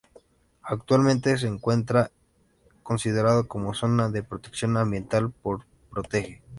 Actualmente se encuentra considerado como zona de protección ambiental por Protege.